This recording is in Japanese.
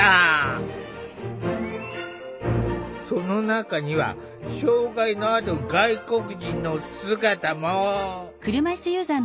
その中には障害のある外国人の姿も。